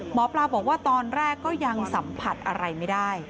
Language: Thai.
หมอปลาบอกว่าตอนแรกก็ยังสัมผัสอะไรไม่ได้